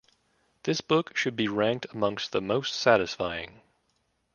This book should be ranked amongst the most satisfying.